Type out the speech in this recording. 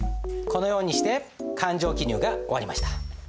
このようにして勘定記入が終わりました。